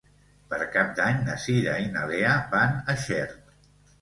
Per Cap d'Any na Cira i na Lea van a Xert.